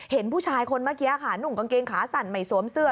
เห็นผู้ชายคนเมื่อกี้ค่ะนุ่งกางเกงขาสั้นไม่สวมเสื้อ